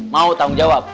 mau tanggung jawab